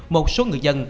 một số người dân